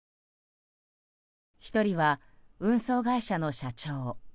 １人は運送会社の社長。